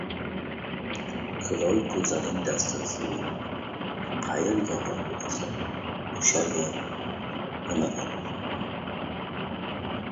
• Kulol ko‘zaning dastagini qayerga xohlasa o‘sha yerga o‘rnatadi.